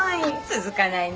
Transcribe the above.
続かないね。